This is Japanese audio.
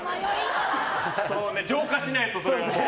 浄化しないと、それは。